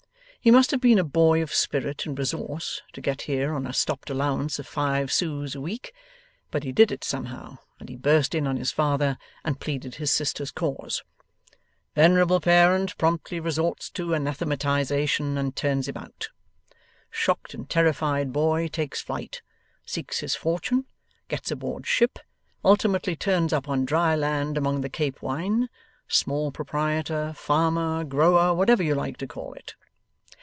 He must have been a boy of spirit and resource, to get here on a stopped allowance of five sous a week; but he did it somehow, and he burst in on his father, and pleaded his sister's cause. Venerable parent promptly resorts to anathematization, and turns him out. Shocked and terrified boy takes flight, seeks his fortune, gets aboard ship, ultimately turns up on dry land among the Cape wine: small proprietor, farmer, grower whatever you like to call it.